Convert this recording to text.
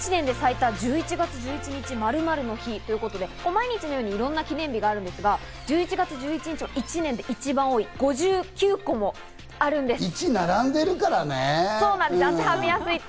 １年で最多、１１月１１日〇〇の日ということで、毎日のようにいろんな記念日があるんですが、１１月１１日は１年で一番多い５９個もあるんです。